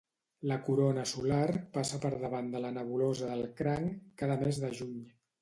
La corona solar passa pel davant de la nebulosa del Cranc cada mes de juny.